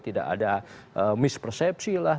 tidak ada mispersepsi lah